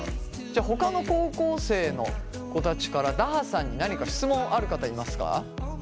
じゃほかの高校生の子たちからだはさんに何か質問ある方いますか？